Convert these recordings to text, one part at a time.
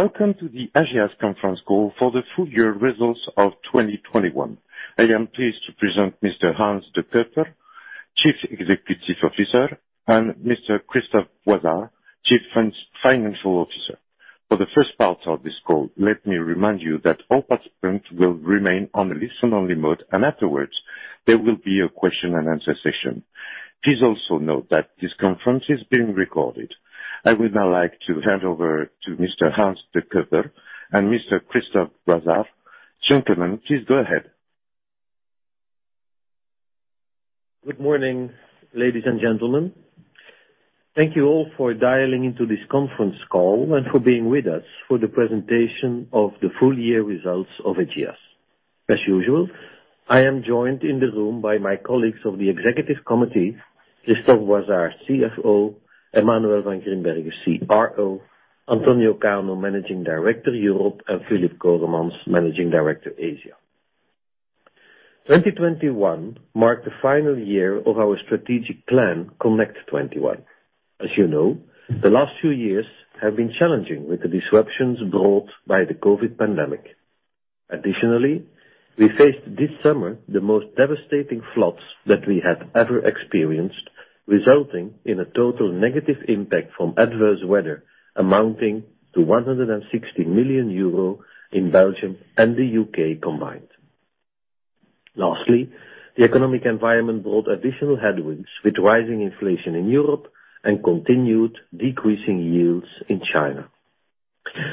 Welcome to the Ageas conference call for the full year results of 2021. I am pleased to present Mr. Hans De Cuyper, Chief Executive Officer, and Mr. Christophe Vandeweghe, Chief Financial Officer. For the first part of this call, let me remind you that all participants will remain on a listen-only mode, and afterwards there will be a question and answer session. Please also note that this conference is being recorded. I would now like to hand over to Mr. Hans De Cuyper and Mr. Christophe Vandeweghe. Gentlemen, please go ahead. Good morning, ladies and gentlemen. Thank you all for dialing into this conference call and for being with us for the presentation of the full year results of Ageas. As usual, I am joined in the room by my colleagues of the executive committee, Christophe Vandeweghe, CFO, Emmanuel Van Grembergen, CRO, Antonio Cano, Managing Director, Europe, and Filip Coremans, Managing Director, Asia. 2021 marked the final year of our strategic plan, Connect21. As you know, the last few years have been challenging with the disruptions brought by the COVID pandemic. Additionally, we faced this summer the most devastating floods that we have ever experienced, resulting in a total negative impact from adverse weather amounting to 160 million euro in Belgium and the U.K. combined. Lastly, the economic environment brought additional headwinds with rising inflation in Europe and continued decreasing yields in China.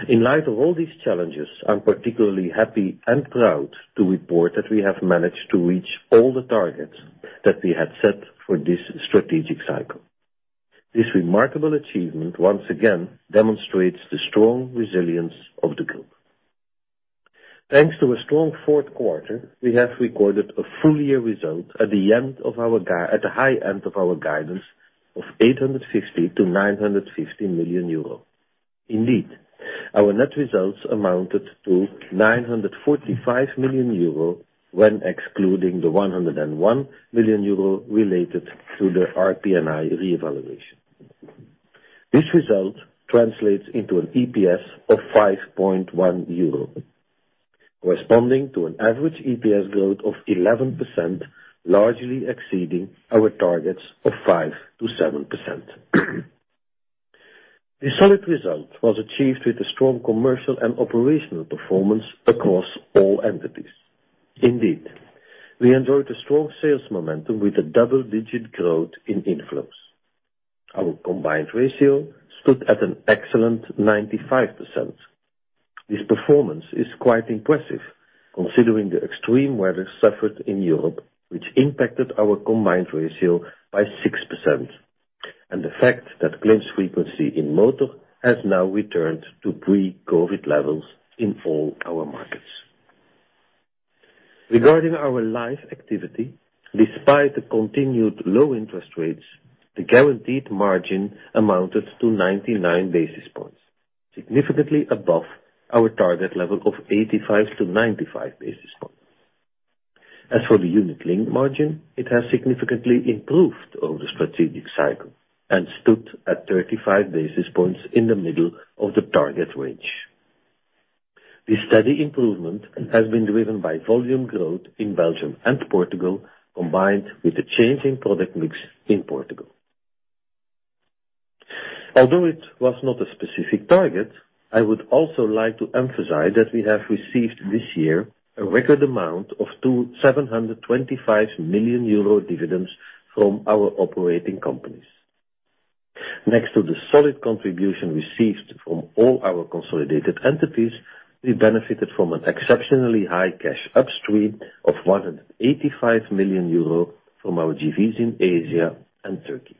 In light of all these challenges, I'm particularly happy and proud to report that we have managed to reach all the targets that we had set for this strategic cycle. This remarkable achievement once again demonstrates the strong resilience of the group. Thanks to a strong fourth quarter, we have recorded a full year result at the high end of our guidance of 860 million-950 million euro. Indeed, our net results amounted to 945 million euro when excluding the 101 million euro related to the RPN(I) revaluation. This result translates into an EPS of 5.1 euro, corresponding to an average EPS growth of 11%, largely exceeding our targets of 5%-7%. This solid result was achieved with a strong commercial and operational performance across all entities. Indeed, we enjoyed a strong sales momentum with a double-digit growth in inflows. Our combined ratio stood at an excellent 95%. This performance is quite impressive considering the extreme weather suffered in Europe, which impacted our combined ratio by 6%, and the fact that claims frequency in motor has now returned to pre-COVID levels in all our markets. Regarding our life activity, despite the continued low interest rates, the guaranteed margin amounted to 99 basis points, significantly above our target level of 85-95 basis points. As for the unit-linked margin, it has significantly improved over the strategic cycle and stood at 35 basis points in the middle of the target range. This steady improvement has been driven by volume growth in Belgium and Portugal, combined with the change in product mix in Portugal. Although it was not a specific target, I would also like to emphasize that we have received this year a record amount of 275 million euro in dividends from our operating companies. Next to the solid contribution received from all our consolidated entities, we benefited from an exceptionally high cash upstream of 185 million euro from our JVs in Asia and Turkey.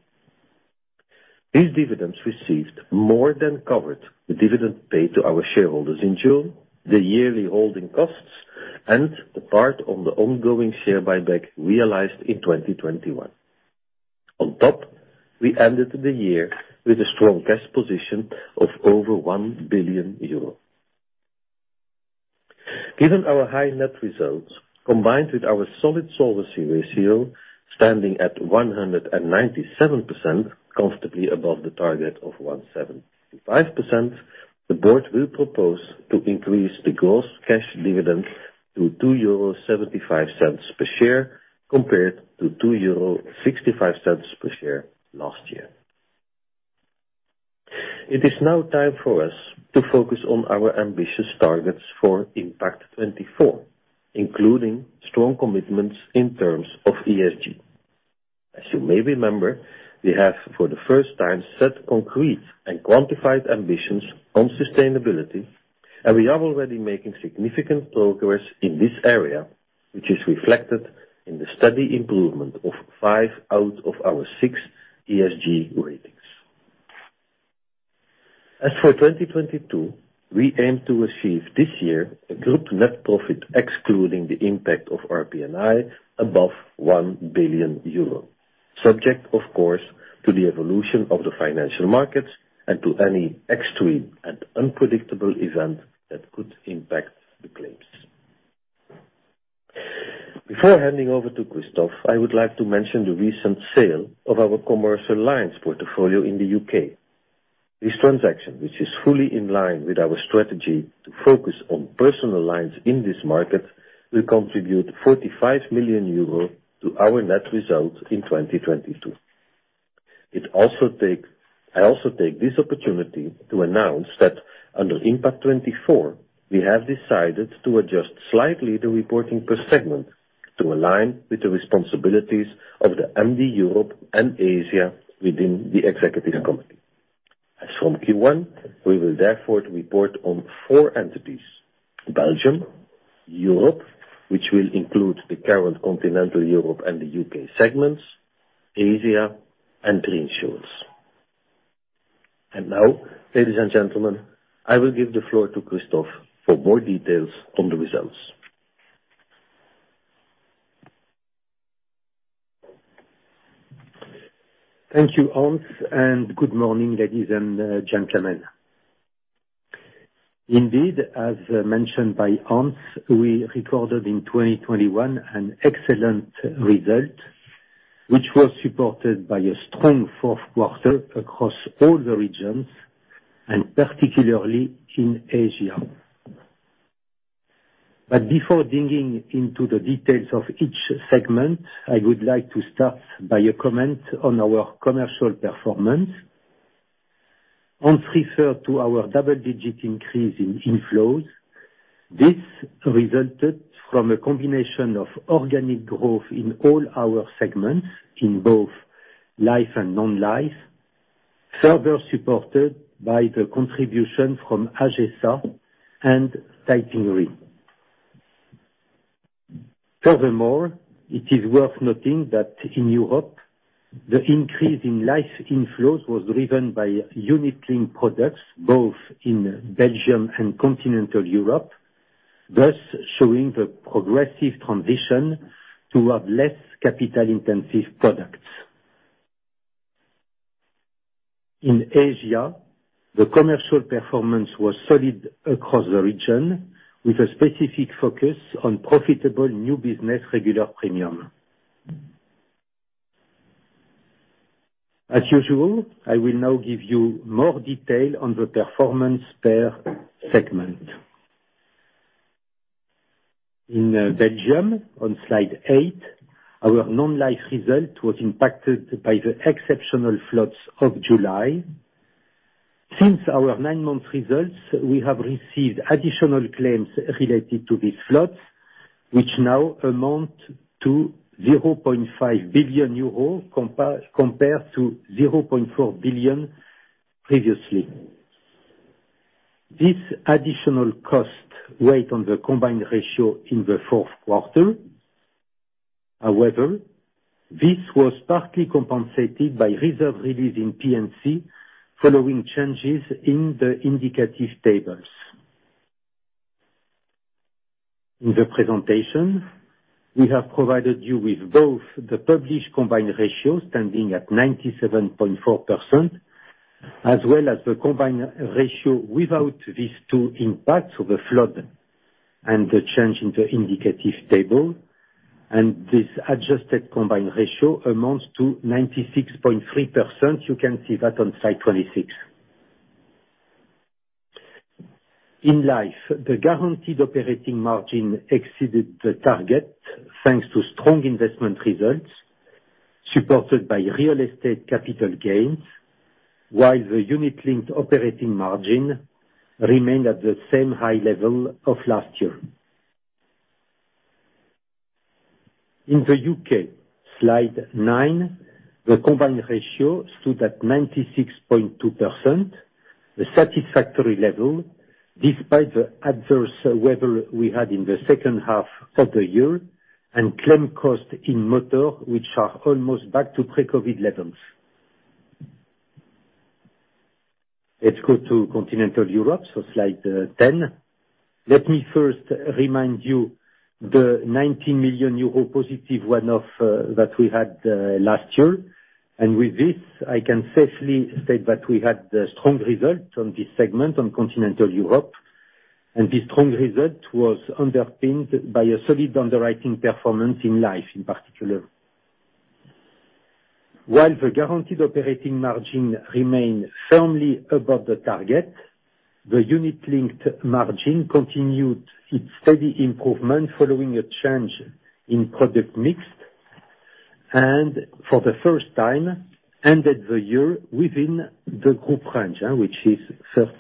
These dividends received more than covered the dividend paid to our shareholders in June, the yearly holding costs and the payout on the ongoing share buyback realized in 2021. On top, we ended the year with a strong cash position of over 1 billion euro. Given our high net results, combined with our solid solvency ratio standing at 197%, comfortably above the target of 175%, the board will propose to increase the gross cash dividend to 2.75 euros per share compared to 2.65 euros per share last year. It is now time for us to focus on our ambitious targets for Impact24, including strong commitments in terms of ESG. As you may remember, we have for the first time set concrete and quantified ambitions on sustainability, and we are already making significant progress in this area, which is reflected in the steady improvement of five out of our six ESG ratings. As for 2022, we aim to achieve this year a group net profit excluding the impact of RPN(I) above 1 billion euro, subject, of course, to the evolution of the financial markets and to any extreme and unpredictable event that could impact the claims. Before handing over to Christophe, I would like to mention the recent sale of our commercial alliance portfolio in the U.K. This transaction, which is fully in line with our strategy to focus on personal alliance in this market, will contribute 45 million euro to our net results in 2022. I also take this opportunity to announce that under Impact24, we have decided to adjust slightly the reporting per segment to align with the responsibilities of the MD Europe and Asia within the executive committee. As from Q1, we will therefore report on four entities, Belgium, Europe, which will include the current Continental Europe and the U.K. segments, Asia and Reinsurance. Now, ladies and gentlemen, I will give the floor to Christophe for more details on the results. Thank you, Hans, and good morning, ladies and gentlemen. Indeed, as mentioned by Hans, we recorded in 2021 an excellent result, which was supported by a strong fourth quarter across all the regions and particularly in Asia. Before digging into the details of each segment, I would like to start by a comment on our commercial performance. Hans referred to our double-digit increase in inflows. This resulted from a combination of organic growth in all our segments, in both life and non-life, further supported by the contribution from Ageas Re and Taiping Re. Furthermore, it is worth noting that in Europe, the increase in life inflows was driven by unit-linked products both in Belgium and continental Europe, thus showing the progressive transition toward less capital-intensive products. In Asia, the commercial performance was solid across the region, with a specific focus on profitable new business regular premium. As usual, I will now give you more detail on the performance per segment. In Belgium, on slide eight, our non-life result was impacted by the exceptional floods of July. Since our nine-month results, we have received additional claims related to these floods, which now amount to 0.5 billion euro compared to 0.4 billion previously. This additional cost weighed on the Combined Ratio in the fourth quarter. However, this was partly compensated by reserve release in P&C following changes in the indicative tables. In the presentation, we have provided you with both the published Combined Ratio, standing at 97.4%, as well as the Combined Ratio without these two impacts of the flood and the change in the indicative table, and this adjusted Combined Ratio amounts to 96.3%. You can see that on slide 26. In Life, the guaranteed operating margin exceeded the target, thanks to strong investment results supported by real estate capital gains, while the Unit-Linked operating margin remained at the same high level of last year. In the U.K., slide 9, the Combined Ratio stood at 96.2%, a satisfactory level despite the adverse weather we had in the second half of the year and claim cost in motor, which are almost back to pre-COVID levels. Let's go to continental Europe, so slide 10. Let me first remind you the 19 million euro positive one-off that we had last year. With this, I can safely state that we had a strong result on this segment on continental Europe, and this strong result was underpinned by a solid underwriting performance in Life in particular. While the guaranteed operating margin remained firmly above the target, the Unit-Linked margin continued its steady improvement following a change in product mix, and for the first time, ended the year within the group range, which is 30-40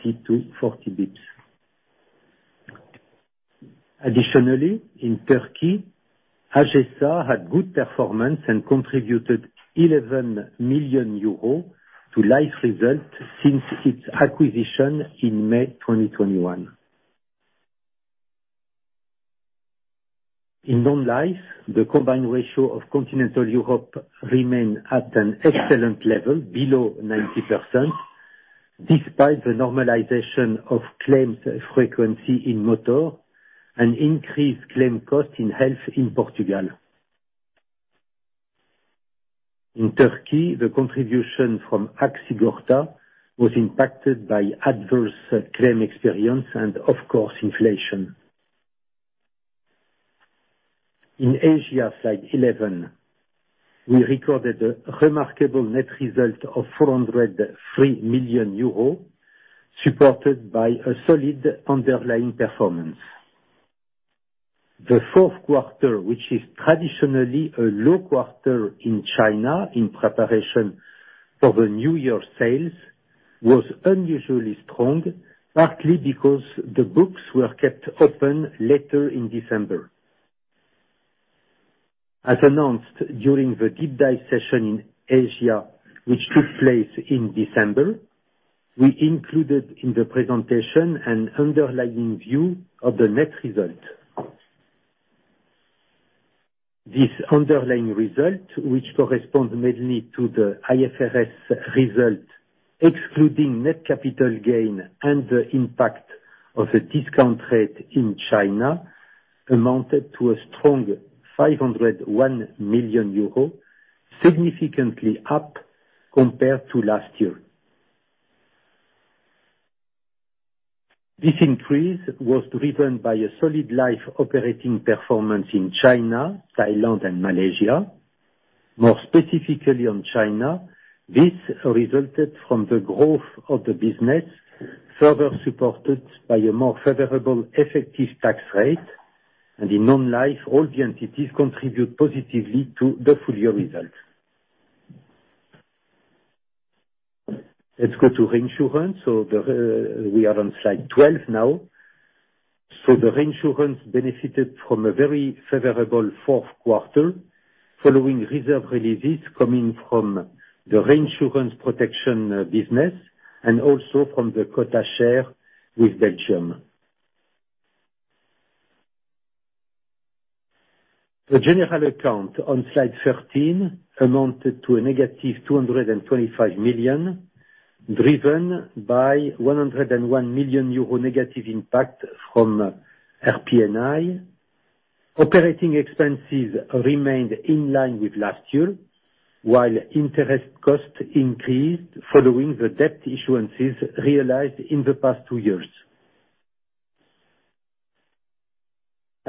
bps. Additionally, in Turkey, Ageas had good performance and contributed 11 million euros to Life results since its acquisition in May 2021. In non-life, the Combined Ratio of continental Europe remained at an excellent level below 90%, despite the normalization of claims frequency in motor and increased claim cost in health in Portugal. In Turkey, the contribution from Aksigorta was impacted by adverse claim experience and of course, inflation. In Asia, slide 11, we recorded a remarkable net result of 403 million euros, supported by a solid underlying performance. The fourth quarter, which is traditionally a low quarter in China in preparation for the New Year sales, was unusually strong, partly because the books were kept open later in December. As announced during the deep dive session in Asia, which took place in December, we included in the presentation an underlying view of the net result. This underlying result, which corresponds mainly to the IFRS result, excluding net capital gain and the impact of the discount rate in China, amounted to a strong 501 million euros, significantly up compared to last year. This increase was driven by a [inaudible] life operating performance in China, Thailand and Malaysia. More specifically on China, this resulted from the growth of the business, further supported by a more favorable effective tax rate. In non-life, all the entities contribute positively to the full-year results. Let's go to reinsurance. We are on slide 12 now. The reinsurance benefited from a very favorable fourth quarter following reserve releases coming from the reinsurance protection business and also from the quota share with Belgium. The general account on slide 13 amounted to negative 225 million, driven by 101 million euro negative impact from RPN(I). Operating expenses remained in line with last year, while interest costs increased following the debt issuances realized in the past two years.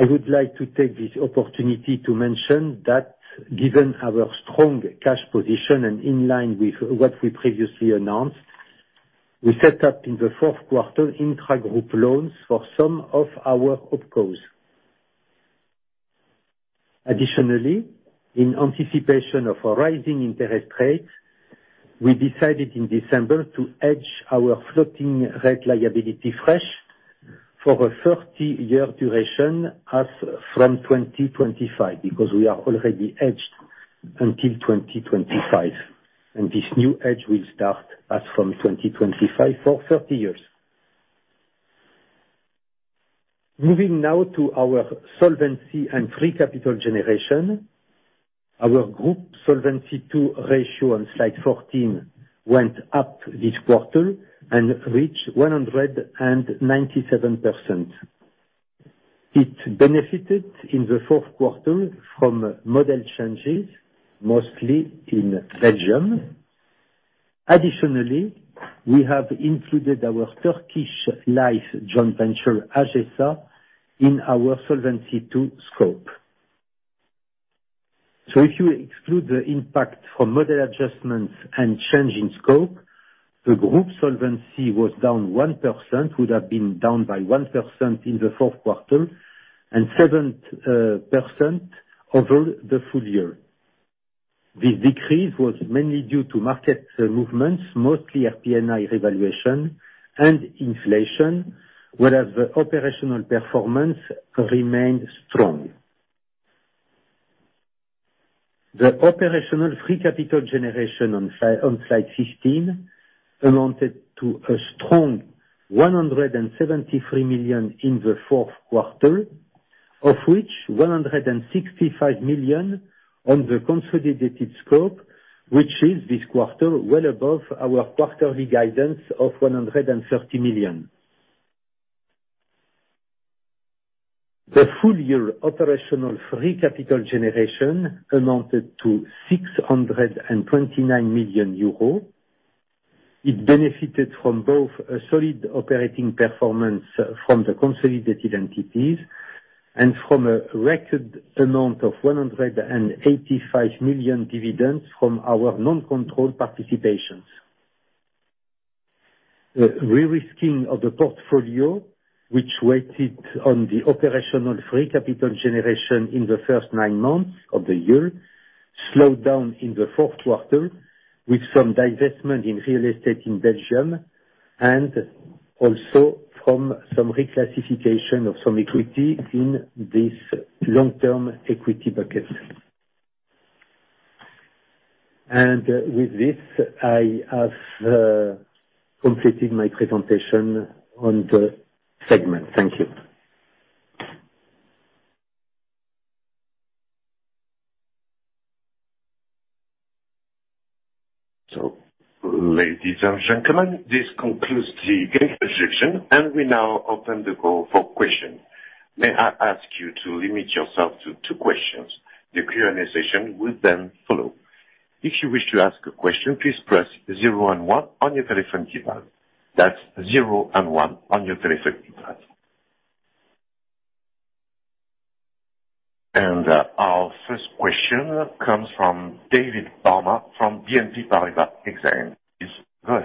I would like to take this opportunity to mention that given our strong cash position and in line with what we previously announced, we set up in the fourth quarter intra-group loans for some of our OpCos. Additionally, in anticipation of a rising interest rate, we decided in December to hedge our floating rate liability for a 30-year duration as from 2025, because we are already hedged until 2025, and this new hedge will start as from 2025 for 30 years. Moving now to our solvency and free capital generation. Our group Solvency II ratio on slide 14 went up this quarter and reached 197%. It benefited in the fourth quarter from model changes, mostly in Belgium. Additionally, we have included our Turkish life joint venture, AgeSA, in our Solvency II scope. If you exclude the impact from model adjustments and change in scope, the group solvency was down 1%, would have been down by 1% in the fourth quarter and 7% over the full year. This decrease was mainly due to market movements, mostly RPN(I) revaluation and inflation, whereas the operational performance remained strong. The Operational Free Capital Generation on slide 15 amounted to a strong 173 million in the fourth quarter, of which 165 million on the consolidated scope, which is this quarter well above our quarterly guidance of 130 million. The full year Operational Free Capital Generation amounted to 629 million euros. It benefited from both a solid operating performance from the consolidated entities and from a recorded amount of 185 million dividends from our non-controlled participations. The re-risking of the portfolio, which weighed on the Operational Free Capital Generation in the first nine months of the year, slowed down in the fourth quarter, with some divestment in real estate in Belgium and also from some reclassification of some equity in this long-term equity bucket. With this, I have completed my presentation on the segment. Thank you. Ladies and gentlemen, this concludes the introduction, and we now open the call for questions. May I ask you to limit yourself to two questions. The Q&A session will then follow. If you wish to ask a question, please press zero and one on your telephone keypad. That's zero and one on your telephone keypad. Our first question comes from David Barma from BNP Paribas Exane. Please, go ahead. Yes,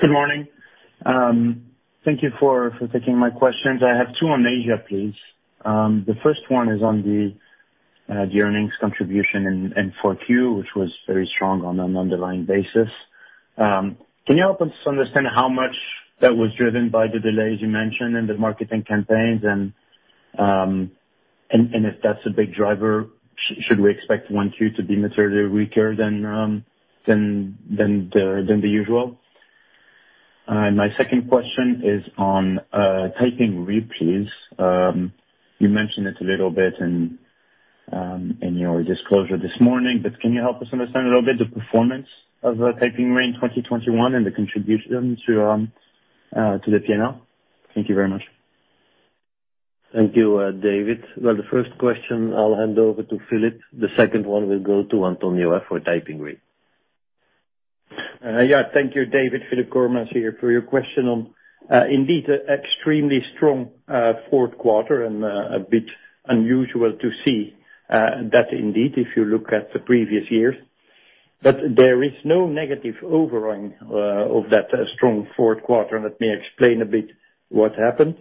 good morning. Thank you for taking my questions. I have two on Asia, please. The first one is on the earnings contribution in 4Q, which was very strong on an underlying basis. Can you help us understand how much that was driven by the delays you mentioned in the marketing campaigns and if that's a big driver, should we expect 1Q to be materially weaker than the usual? My second question is on Taiping Re. You mentioned it a little bit in your disclosure this morning, but can you help us understand a little bit the performance of Taiping Re in 2021 and the contribution to the P&L? Thank you very much. Thank you, David. Well, the first question I'll hand over to Filip. The second one will go to Antonio for Taiping Re. Yeah. Thank you, David. Filip Coremans here. For your question on indeed extremely strong fourth quarter and a bit unusual to see that indeed if you look at the previous years. There is no negative overhang of that strong fourth quarter, and let me explain a bit what happened.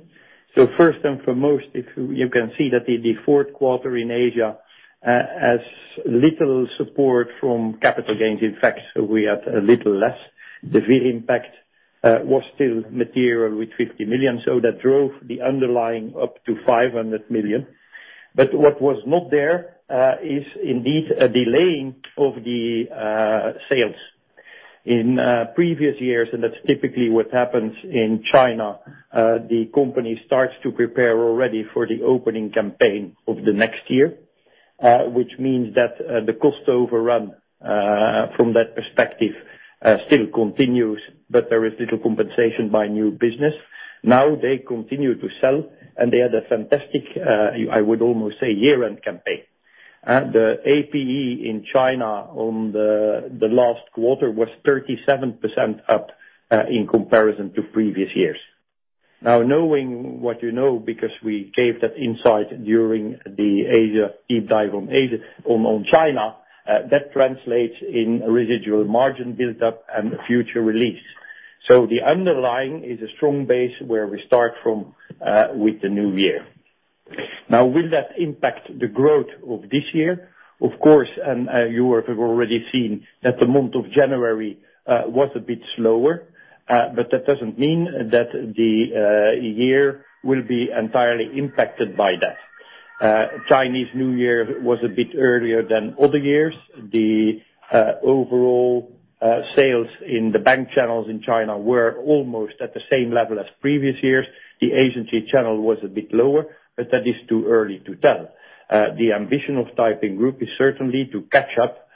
First and foremost, you can see that the fourth quarter in Asia has little support from capital gains. In fact, we had a little less. The VIR impact was still material with 50 million, so that drove the underlying up to 500 million. What was not there is indeed a delay in the sales. In previous years, and that's typically what happens in China, the company starts to prepare already for the opening campaign of the next year, which means that, the cost overrun, from that perspective, still continues, but there is little compensation by new business. Now they continue to sell, and they had a fantastic, I would almost say, year-end campaign. The APE in China on the last quarter was 37% up, in comparison to previous years. Now knowing what you know, because we gave that insight during the Asia deep dive on Asia, on China, that translates in a residual margin build-up and a future release. The underlying is a strong base where we start from, with the new year. Now, will that impact the growth of this year? Of course, you have already seen that the month of January was a bit slower, but that doesn't mean that the year will be entirely impacted by that. Chinese New Year was a bit earlier than other years. The overall sales in the bank channels in China were almost at the same level as previous years. The agency channel was a bit lower, but that is too early to tell. The ambition of Taiping Group is certainly to catch up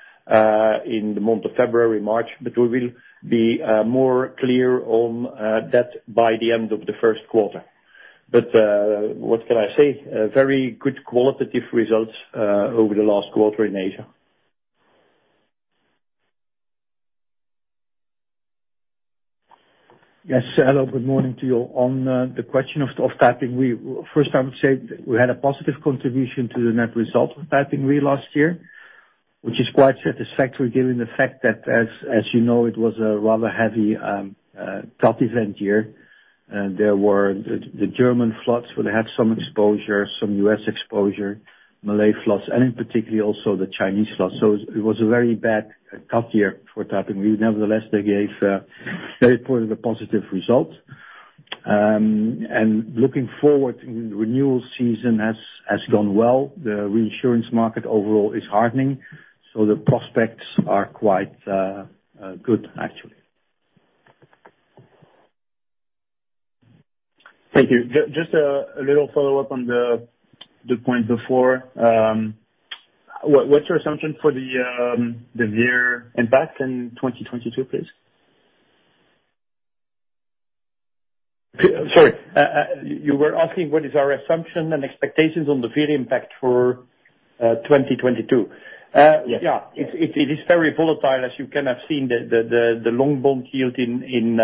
in the month of February, March, but we will be more clear on that by the end of the first quarter. What can I say? A very good qualitative results over the last quarter in Asia. Yes. Hello, good morning to you. On the question of Taiping, first, I would say we had a positive contribution to the net result of Taiping Re last year, which is quite satisfactory given the fact that as you know, it was a rather heavy cat event year. There were the German floods, where they had some exposure, some U.S. exposure, Malaysian floods, and in particular, also the Chinese floods. It was a very bad cat year for Taiping Re. Nevertheless, they reported a positive result. And looking forward, renewal season has gone well. The reinsurance market overall is hardening, so the prospects are quite good, actually. Thank you. Just a little follow-up on the point before. What's your assumption for the year impact in 2022, please? Sorry. You were asking what is our assumption and expectations on the VIR impact for 2022? Yes. Yeah. It is very volatile. As you can have seen, the long bond yield in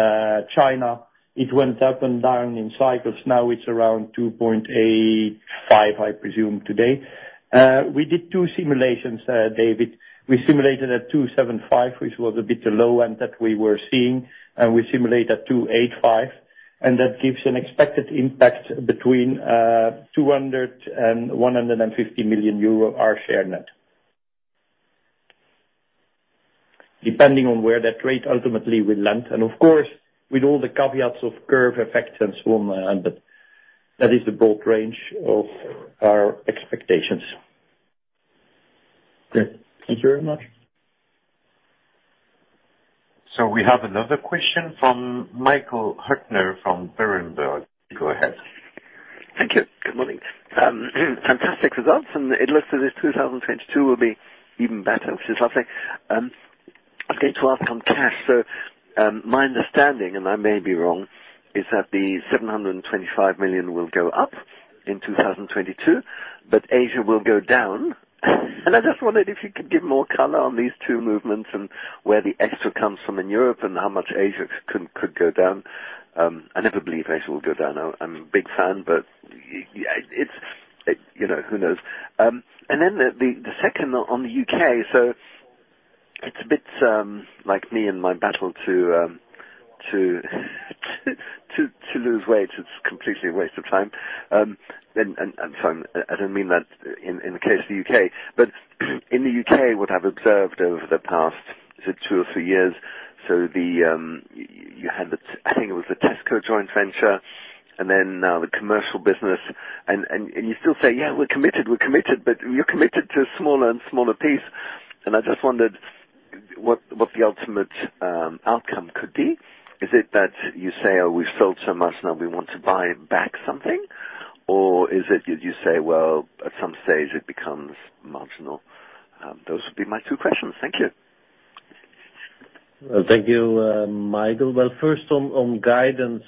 China, it went up and down in cycles. Now it's around 2.85, I presume, today. We did two simulations, David. We simulated at 2.75, which was a bit low and that we were seeing, and we simulate at 2.85, and that gives an expected impact between 200 million euro and 150 million euro of our share net. Depending on where that rate ultimately will land, and of course, with all the caveats of curve effects and so on. That is the broad range of our expectations. Okay. Thank you very much. We have another question from Michael Huttner from Berenberg. Go ahead. Thank you. Good morning. Fantastic results. It looks as if 2022 will be even better, which is lovely. I was going to ask on cash. My understanding, and I may be wrong, is that the 725 million will go up in 2022, but Asia will go down. I just wondered if you could give more color on these two movements and where the extra comes from in Europe and how much Asia could go down. I never believe Asia will go down. I'm a big fan, but it's, you know, who knows? The second on the U.K. It's a bit like me and my battle to lose weight. It's completely a waste of time. I'm fine. I don't mean that in the case of the U.K., but in the U.K., what I've observed over the past two or three years, so you had the, I think it was the Tesco joint venture and then now the commercial business and you still say, "Yeah, we're committed, we're committed," but you're committed to a smaller and smaller piece. I just wondered what the ultimate outcome could be. Is it that you say, "Oh, we've sold so much now we want to buy back something?" Or is it you say, "Well, at some stage it becomes marginal." Those would be my two questions. Thank you. Thank you, Michael. Well, first on guidance.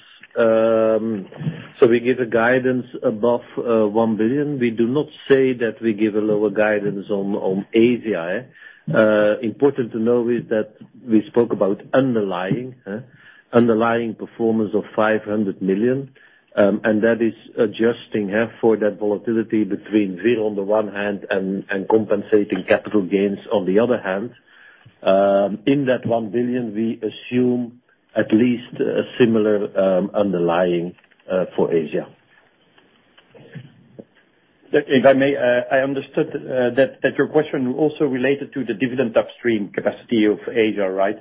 We give a guidance above 1 billion. We do not say that we give a lower guidance on Asia. Important to know is that we spoke about underlying performance of 500 million, and that is adjusting half for that volatility between Vii on the one hand and compensating capital gains on the other hand. In that 1 billion, we assume at least a similar underlying for Asia. If I may, I understood that your question also related to the dividend upstream capacity of Asia, right?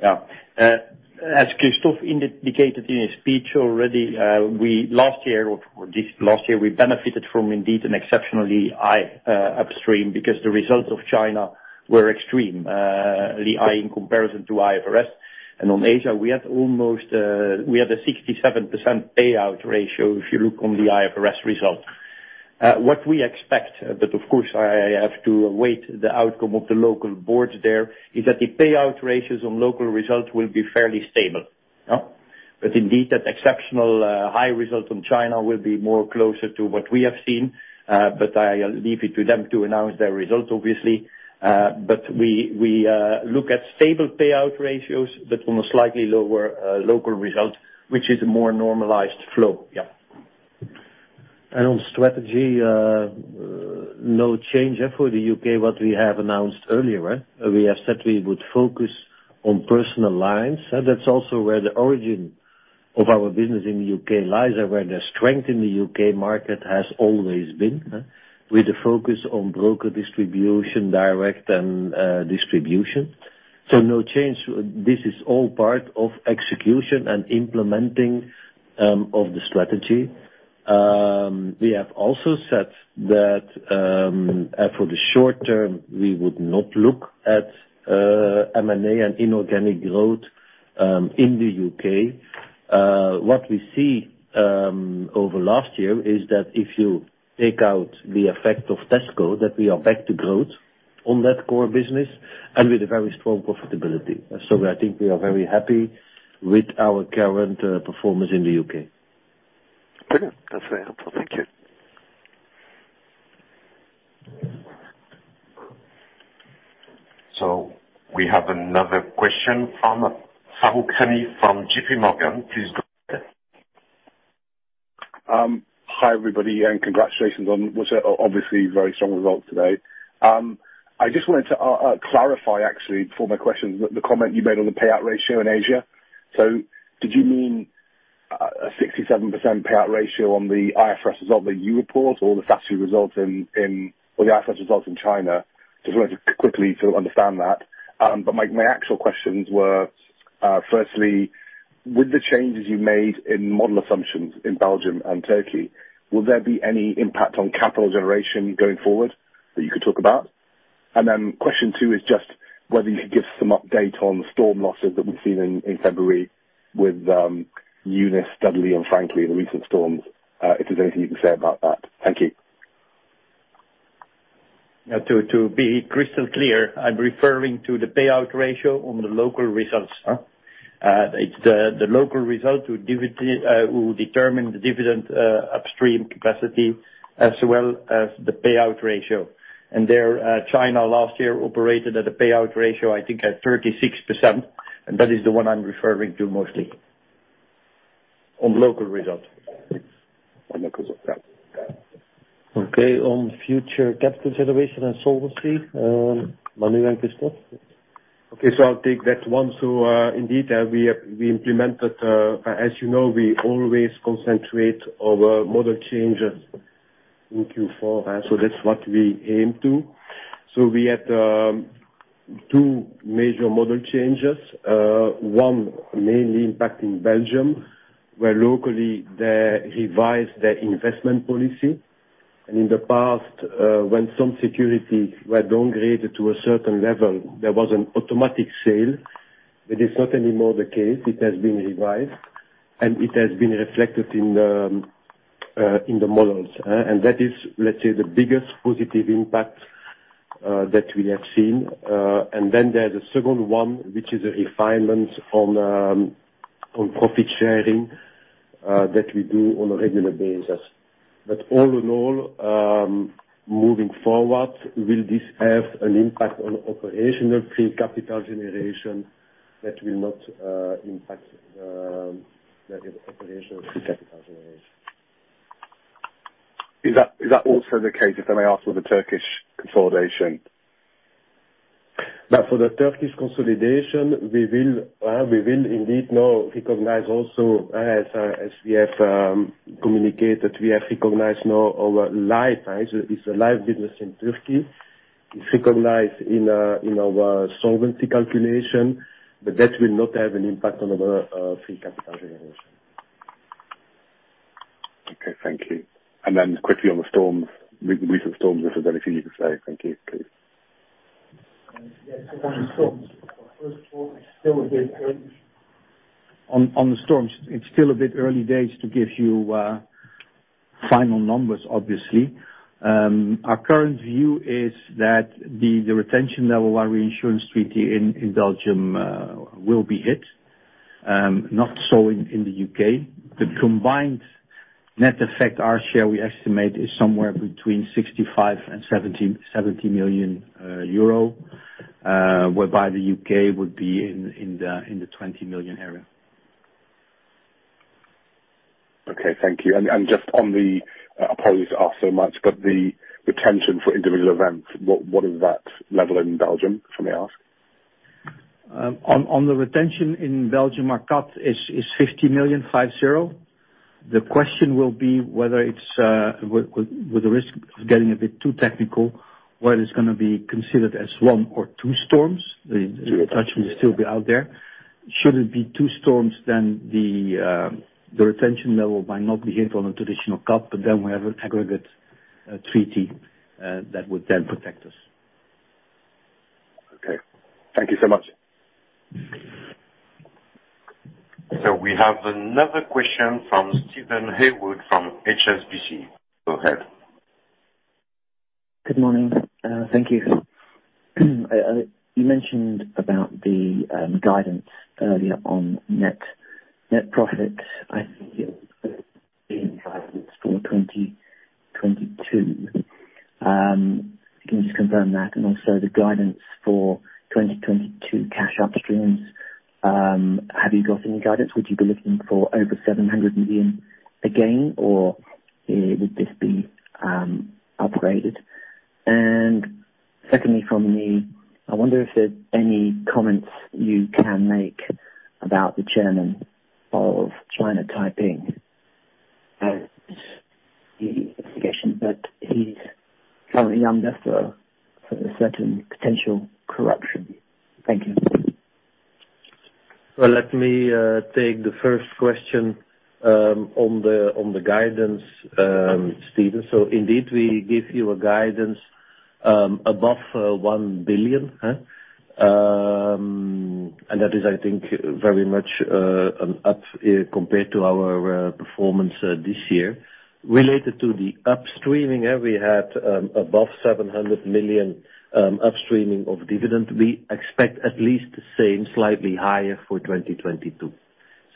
Yes. As Christophe indicated in his speech already, we last year, or this last year, we benefited from indeed an exceptionally high upstream because the results of China were extreme in comparison to IFRS. On Asia, we have a 67% payout ratio, if you look on the IFRS results. What we expect, but of course, I have to await the outcome of the local Boards there, is that the payout ratios on local results will be fairly stable. Indeed, that exceptional high result from China will be more closer to what we have seen, but I leave it to them to announce their results, obviously. We look at stable payout ratios, but on a slightly lower local result, which is a more normalized flow. On strategy, no change for the U.K., what we have announced earlier. We have said we would focus on personal lines, and that's also where the origin of our business in the U.K. lies and where the strength in the U.K. market has always been, with the focus on broker distribution, direct and distribution. No change. This is all part of execution and implementing of the strategy. We have also said that for the short term, we would not look at M&A and inorganic growth in the U.K. What we see over last year is that if you take out the effect of Tesco, that we are back to growth on that core business and with a very strong profitability. I think we are very happy with our current performance in the U.K. Okay. That's very helpful. Thank you. We have another question from Farooq Hanif from JPMorgan. Please go ahead. Hi, everybody, and congratulations on what's obviously very strong results today. I just wanted to clarify actually for my question, the comment you made on the payout ratio in Asia. So did you mean a 67% payout ratio on the IFRS result that you report or the statutory results in or the IFRS results in China? Just wanted to quickly understand that. But my actual questions were, firstly, with the changes you made in model assumptions in Belgium and Turkey, will there be any impact on capital generation going forward that you could talk about? Then question two is just whether you could give some update on the storm losses that we've seen in February with Storm Eunice, Storm Dudley and Franklin, the recent storms, if there's anything you can say about that. Thank you. To be crystal clear, I'm referring to the payout ratio on the local results. It's the local result will determine the dividend upstream capacity as well as the payout ratio. There, China last year operated at a payout ratio, I think at 36%, and that is the one I'm referring to mostly on local results. Okay. On future capital generation and solvency, Emmanuel and Christophe. Okay, I'll take that one. Indeed, we implemented, as you know, we always concentrate our model changes in Q4. That's what we aim to. We had two major model changes. One mainly impacting Belgium, where locally they revised their investment policy. In the past, when some securities were downgraded to a certain level, there was an automatic sale. That is not anymore the case, it has been revised, and it has been reflected in the models. That is, let's say, the biggest positive impact that we have seen. Then there's a second one, which is a refinement on profit sharing that we do on a regular basis. All in all, moving forward, will this have an impact on Operational Free Capital Generation? That will not impact the Operational Free Capital Generation. Is that also the case, if I may ask, for the Turkish consolidation? Now, for the Turkish consolidation, we will indeed now recognize also, as we have communicated, we have recognized now our life business in Turkey. It's recognized in our solvency calculation, but that will not have an impact on our free capital generation. Okay, thank you. Quickly on the storms, recent storms, if there's anything you can say. Thank you. Yes. On the storms, it's still a bit early days to give you final numbers, obviously. Our current view is that the retention level, our reinsurance treaty in Belgium, will be hit. Not so in the U.K. The combined net effect, our share, we estimate is somewhere between 65 million euro and 70 million euro, whereby the U.K. would be in the 20 million area. Okay, thank you. Just on the, I apologize if I ask so much, but the retention for individual events, what is that level in Belgium, if I may ask? On the retention in Belgium, our cut is 50 million. The question will be, with the risk of getting a bit too technical, whether it's gonna be considered as one or two storms. The attachment will still be out there. Should it be two storms, then the retention level might not be hit on a traditional cut, but then we have an aggregate treaty that would then protect us. Okay. Thank you so much. We have another question from Steven Haywood from HSBC. Go ahead. Good morning. Thank you. You mentioned about the guidance earlier on net profit. I think it's the guidance for 2022. Can you just confirm that? Also the guidance for 2022 cash upstreams, have you got any guidance? Would you be looking for over 700 million again, or would this be upgraded? Secondly, from me, I wonder if there are any comments you can make about the chairman of China Taiping and the investigation. He's currently under investigation for certain potential corruption. Thank you. Well, let me take the first question on the guidance, Steven. Indeed, we give you a guidance above 1 billion. And that is, I think, very much an up compared to our performance this year. Related to the upstreaming, we had above 700 million upstreaming of dividend. We expect at least the same, slightly higher for 2022.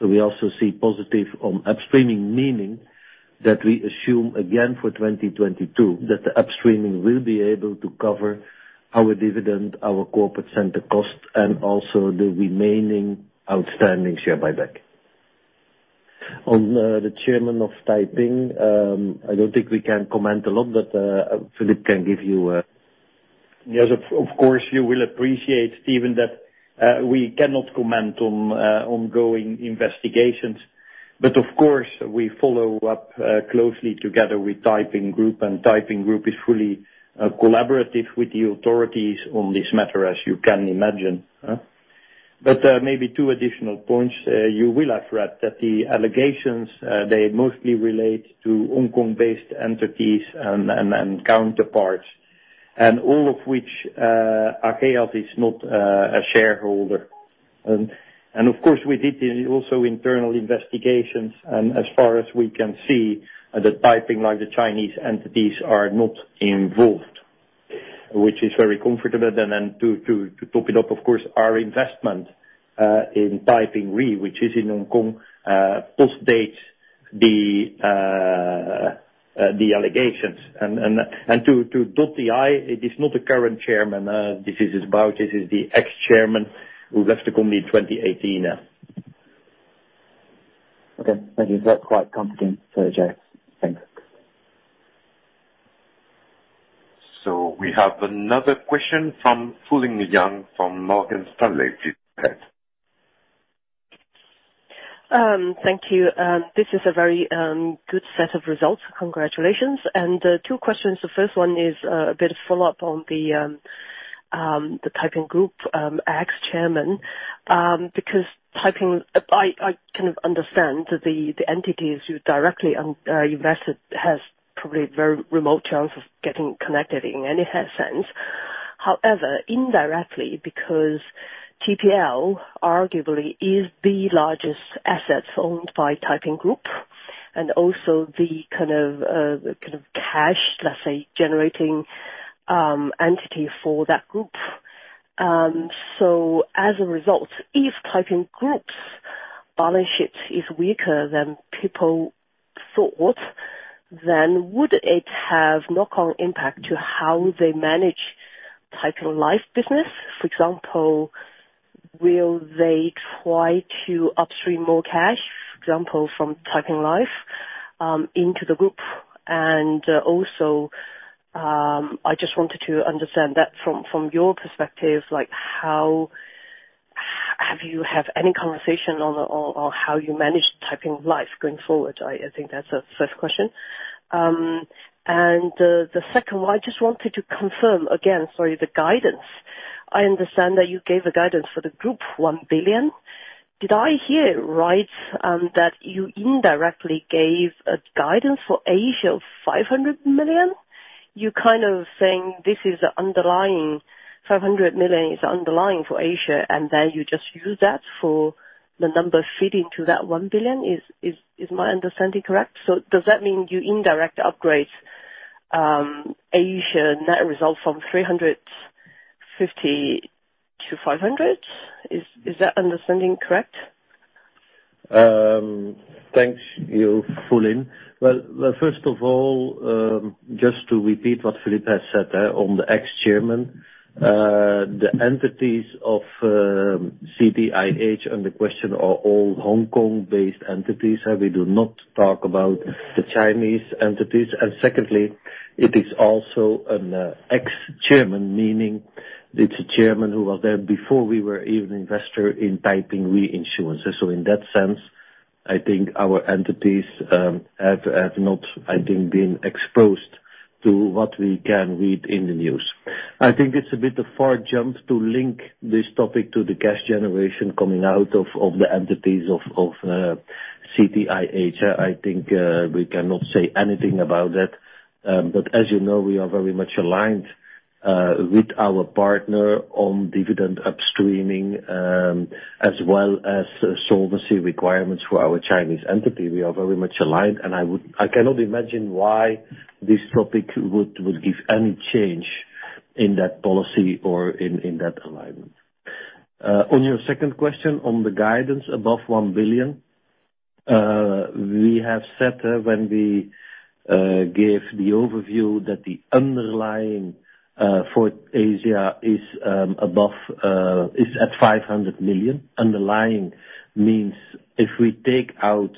We also see positive on upstreaming, meaning that we assume again for 2022, that the upstreaming will be able to cover our dividend, our corporate center cost, and also the remaining outstanding share buyback. On the chairman of Taiping, I don't think we can comment a lot, but Filip can give you a Yes, of course, you will appreciate, Steven, that we cannot comment on ongoing investigations. Of course, we follow up closely together with Taiping Group, and Taiping Group is fully collaborative with the authorities on this matter, as you can imagine. Maybe two additional points. You will have read that the allegations they mostly relate to Hong Kong-based entities and counterparts. All of which Ageas is not a shareholder. Of course we also did internal investigations and as far as we can see, the Taiping, like the Chinese entities, are not involved, which is very comfortable. Then to top it up, of course, our investment in Taiping Re, which is in Hong Kong, post-dates the allegations. To dot the i, it is not the current chairman. This is the ex-Chairman who left the company in 2018. Okay. Thank you. That's quite comforting to hear. Thanks. We have another question from Fulin Yang from Morgan Stanley. Please go ahead. Thank you. This is a very good set of results. Congratulations. Two questions. The first one is a bit of follow-up on the Taiping Group ex-chairman because Taiping, I kind of understand that the entities you directly own or invest in has probably very remote chance of getting connected in any sense. However, indirectly, because TPL arguably is the largest asset owned by Taiping Group and also the kind of cash, let's say, generating entity for that group. As a result, if Taiping Group's balance sheet is weaker than people thought, then would it have knock-on impact to how they manage Taiping Life business? For example, will they try to upstream more cash, for example, from Taiping Life into the group? I just wanted to understand that from your perspective, like, how have you had any conversation on how you manage Taiping Life going forward? I think that's the first question. The second one, I just wanted to confirm again, sorry, the guidance. I understand that you gave a guidance for the group 1 billion. Did I hear right that you indirectly gave a guidance for Asia of 500 million? You're kind of saying this is underlying, 500 million is underlying for Asia, and then you just use that for the number fitting to that 1 billion. Is my understanding correct? So does that mean you indirectly upgrade Asia net results from 350 to 500? Is that understanding correct? Thanks to you, Fulin Yang. Well, first of all, just to repeat what Filip has said there on the ex-chairman. The entities of CTIH under question are all Hong Kong-based entities. We do not talk about the Chinese entities. Secondly, it is also an ex-chairman. Meaning, it's a chairman who was there before we were even investor in Taiping Reinsurance. In that sense, I think our entities have not, I think, been exposed to what we can read in the news. I think it's a bit a far jump to link this topic to the cash generation coming out of the entities of CTIH. I think we cannot say anything about that. As you know, we are very much aligned with our partner on dividend upstreaming as well as solvency requirements for our Chinese entity. We are very much aligned, and I cannot imagine why this topic would give any change in that policy or in that alignment. On your second question on the guidance above 1 billion. We have said that when we gave the overview that the underlying for Asia is at 500 million. Underlying means if we take out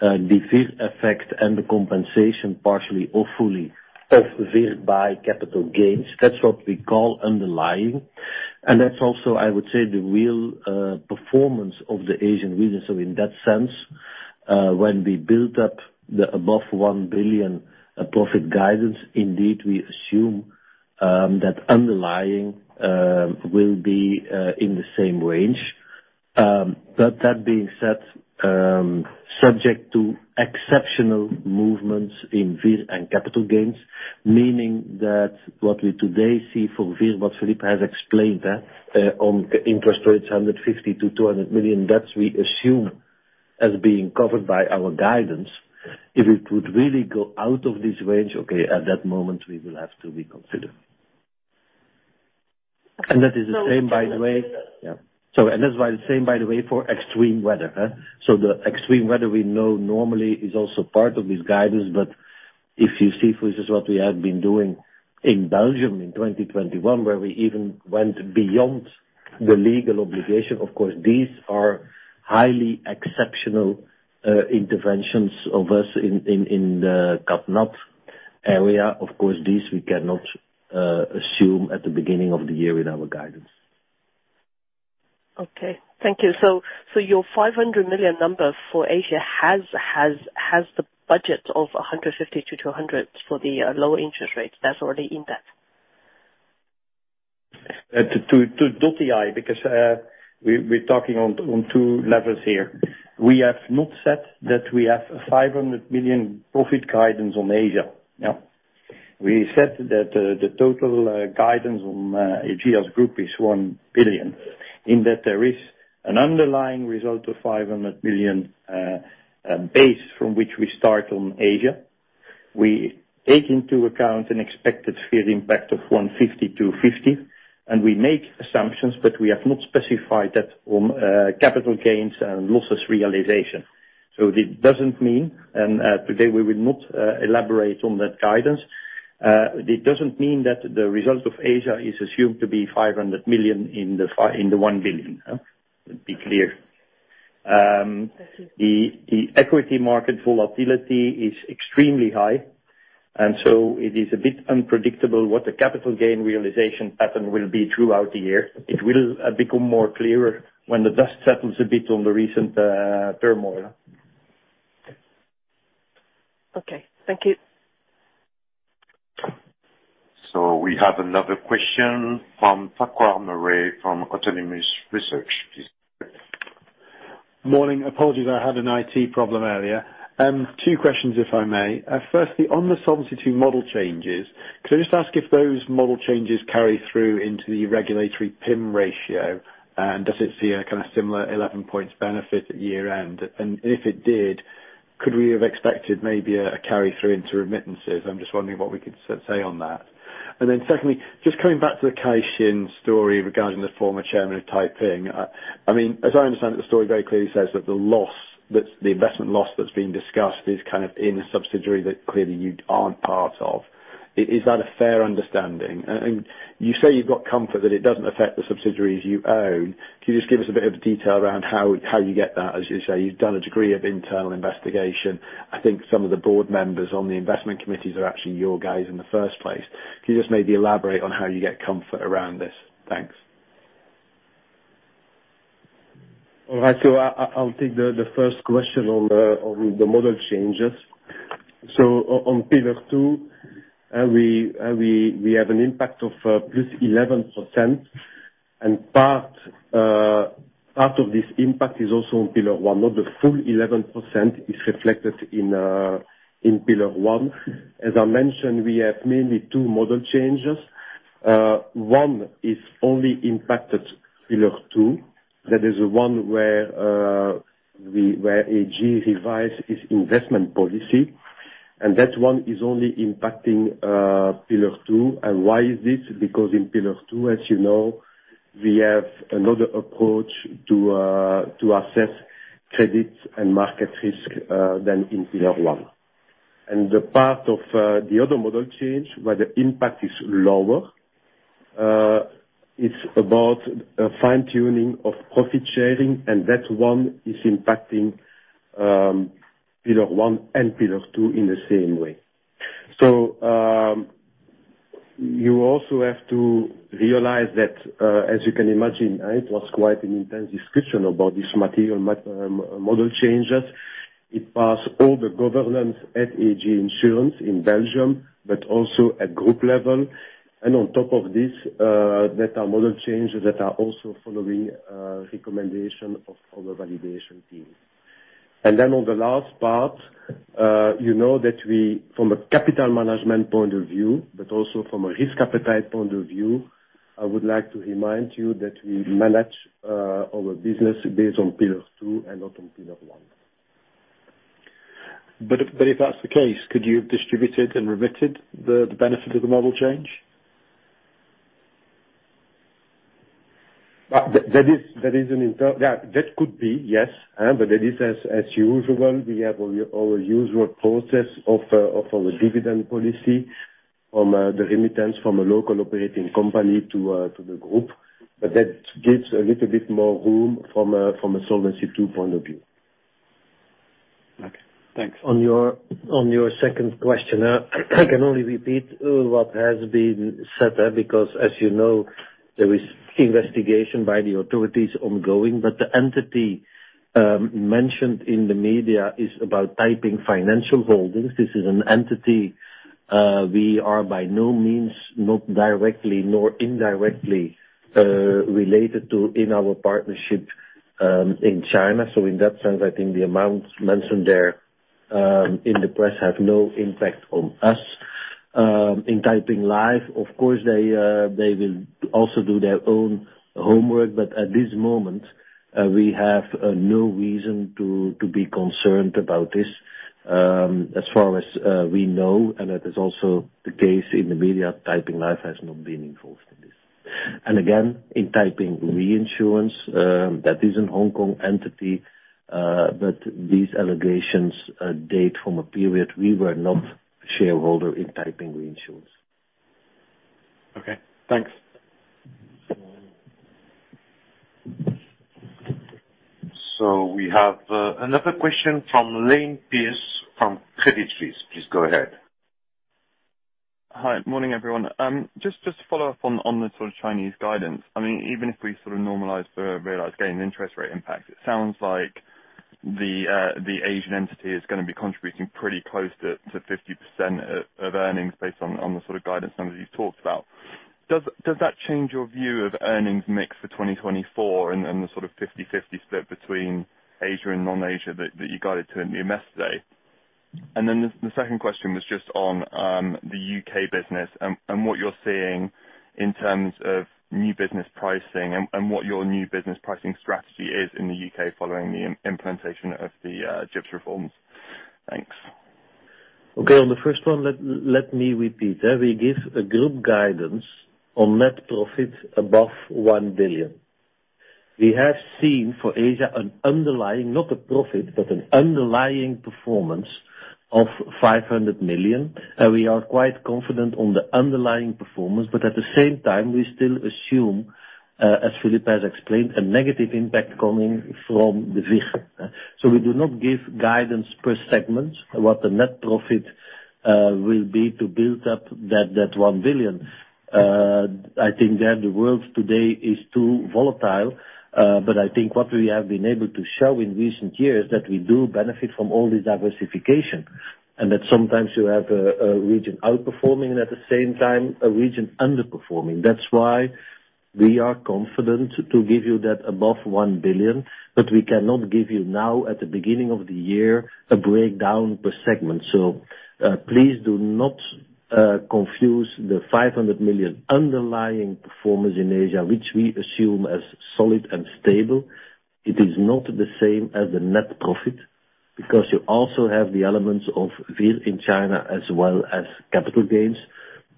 the VIR effect and the compensation partially or fully of VIR by capital gains, that's what we call underlying. That's also, I would say, the real performance of the Asian region. In that sense, when we build up the above 1 billion profit guidance, indeed we assume that underlying will be in the same range. But that being said, subject to exceptional movements in VIR and capital gains, meaning that what we today see for VIR, what Philippe has explained that on interest rates 150 million-200 million, that we assume as being covered by our guidance. If it would really go out of this range, okay, at that moment we will have to reconsider. That is the same by the way. Yeah. That's why the same by the way for extreme weather. The extreme weather we know normally is also part of this guidance. If you see for this is what we have been doing in Belgium in 2021, where we even went beyond the legal obligation. Of course, these are highly exceptional interventions of us in the CatNat area. Of course, these we cannot assume at the beginning of the year with our guidance. Okay. Thank you. Your 500 million number for Asia has the budget of 150 million-200 million for the lower interest rates. That's already in that. To dot the i, because we're talking on two levels here. We have not said that we have a 500 million profit guidance on Asia. Yeah. We said that the total guidance on Ageas Group is 1 billion, in that there is an underlying result of 500 million base from which we start on Asia. We take into account an expected fair impact of 150 million-250 million, and we make assumptions, but we have not specified that on capital gains and losses realization. It doesn't mean today we will not elaborate on that guidance. It doesn't mean that the result of Asia is assumed to be 500 million in the one billion. Huh? Be clear. The equity market volatility is extremely high, and so it is a bit unpredictable what the capital gain realization pattern will be throughout the year. It will become more clearer when the dust settles a bit on the recent turmoil. Okay. Thank you. We have another question from Farquhar Murray from Autonomous Research. Please go ahead. Morning. Apologies, I had an IT problem earlier. Two questions if I may. Firstly, on the solvency model changes, could I just ask if those model changes carry through into the regulatory PIM ratio, and does it see a kind of similar 11 points benefit at year-end? If it did, could we have expected maybe a carry-through into remittances? I'm just wondering what we could say on that. Then secondly, just coming back to the Caixin story regarding the former chairman of Taiping. I mean, as I understand it, the story very clearly says that the loss that's the investment loss that's being discussed is kind of in a subsidiary that clearly you aren't part of. Is that a fair understanding? And you say you've got comfort that it doesn't affect the subsidiaries you own. Can you just give us a bit of detail around how you get that? As you say, you've done a degree of internal investigation. I think some of the board members on the investment committees are actually your guys in the first place. Can you just maybe elaborate on how you get comfort around this? Thanks. All right. I'll take the first question on the model changes. On Pillar II, we have an impact of +11%, and part of this impact is also on Pillar I. Not the full 11% is reflected in Pillar I. As I mentioned, we have mainly two model changes. One is only impacted Pillar II. That is one where AG Insurance revised its investment policy, and that one is only impacting Pillar II. Why is this? Because in Pillar II, as you know, we have another approach to assess credit and market risk than in Pillar I. The part of the other model change, where the impact is lower, it's about a fine-tuning of profit sharing, and that one is impacting Pillar I and Pillar II in the same way. You also have to realize that, as you can imagine, it was quite an intense discussion about these material model changes. It passed all the governance at AG Insurance in Belgium, but also at group level. On top of this, there are model changes that are also following recommendation of all the validation teams. On the last part, you know that we, from a capital management point of view, but also from a risk appetite point of view, I would like to remind you that we manage our business based on Pillar II and not on Pillar I. If that's the case, could you have distributed and remitted the benefit of the model change? Yeah, that could be, yes. It is as usual, we have our usual process of our dividend policy from the remittance from a local operating company to the group. That gives a little bit more room from a Solvency II point of view. Okay. Thanks. On your second question, I can only repeat what has been said there because, as you know, there is investigation by the authorities ongoing. The entity mentioned in the media is about Taiping Financial Holdings. This is an entity we are by no means, not directly nor indirectly, related to in our partnership in China. In that sense, I think the amounts mentioned there in the press have no impact on us. In Taiping Life, of course they will also do their own homework, but at this moment, we have no reason to be concerned about this. As far as we know, and that is also the case in the media, Taiping Life has not been involved in this. Again, in Taiping Reinsurance, that is a Hong Kong entity, but these allegations date from a period we were not shareholder in Taiping Reinsurance. Okay. Thanks. We have another question from Jason Kalamboussis from Credit Suisse. Please go ahead. Hi. Morning, everyone. Just to follow up on the sort of Chinese guidance. I mean, even if we sort of normalize the realized gain interest rate impact, it sounds like the Asian entity is gonna be contributing pretty close to 50% of earnings based on the sort of guidance numbers you've talked about. Does that change your view of earnings mix for 2024 and the sort of 50/50 split between Asia and non-Asia that you guided to at the Investor Day? The second question was just on the U.K. business and what you're seeing in terms of new business pricing and what your new business pricing strategy is in the U.K. following the implementation of the General Insurance Pricing Practices reforms. Thanks. Okay. On the first one, let me repeat. We give a group guidance on net profit above 1 billion. We have seen for Asia an underlying, not a profit, but an underlying performance of 500 million. We are quite confident on the underlying performance, but at the same time, we still assume, as Filip has explained, a negative impact coming from the VIR. So we do not give guidance per segment what the net profit will be to build up that 1 billion. I think that the world today is too volatile, but I think what we have been able to show in recent years, that we do benefit from all this diversification. And that sometimes you have a region outperforming and at the same time, a region underperforming. That's why we are confident to give you that above 1 billion, but we cannot give you now, at the beginning of the year, a breakdown per segment. Please do not confuse the 500 million underlying performance in Asia, which we assume as solid and stable. It is not the same as the net profit, because you also have the elements of VIR in China as well as capital gains,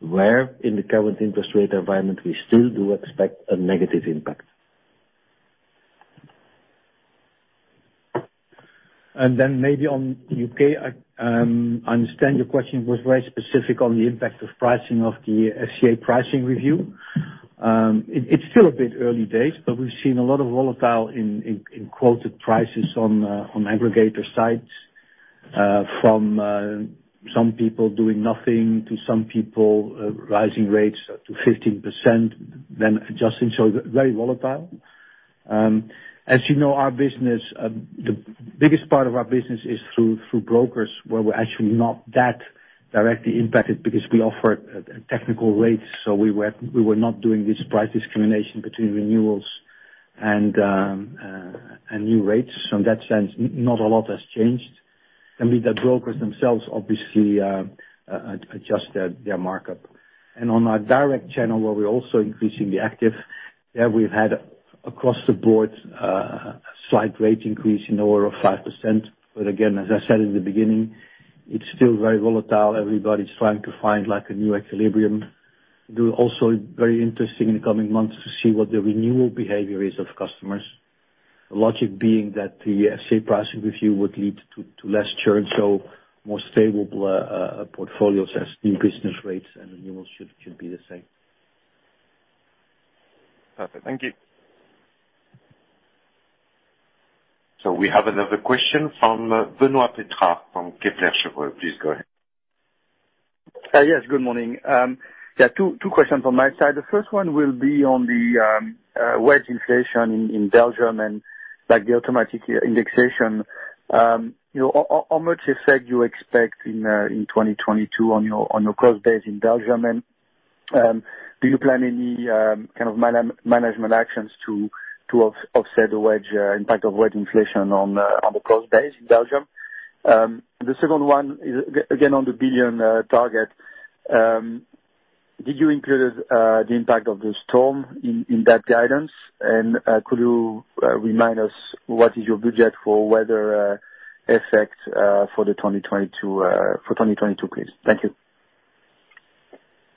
where in the current interest rate environment, we still do expect a negative impact. Maybe on U.K., I understand your question was very specific on the impact of pricing of the FCA pricing review. It's still a bit early days, but we've seen a lot of volatility in quoted prices on aggregator sites. From some people doing nothing to some people rising rates up to 15%, then adjusting. Very volatile. As you know, our business, the biggest part of our business is through brokers, where we're actually not that directly impacted because we offer technical rates. We were not doing this price discrimination between renewals and new rates. In that sense, not a lot has changed. Can be that brokers themselves obviously adjust their markup. On our direct channel, where we're also increasingly active, there we've had across the board slight rate increase in order of 5%. Again, as I said in the beginning, it's still very volatile. Everybody's trying to find like a new equilibrium. It will also be very interesting in the coming months to see what the renewal behavior is of customers. The logic being that the FCA pricing review would lead to less churn, so more stable portfolios as new business rates and renewals should be the same. Perfect. Thank you. We have another question from Benoit Pétrarque from Kepler Cheuvreux. Please go ahead. Yes, good morning. Yeah, two questions on my side. The first one will be on the wage inflation in Belgium and like the automatic indexation. You know, how much effect you expect in 2022 on your cost base in Belgium? And do you plan any kind of management actions to offset the wage impact of wage inflation on the cost base in Belgium? The second one is again on the billion target. Did you include the impact of the storm in that guidance? And could you remind us what is your budget for weather effects for 2022, please? Thank you.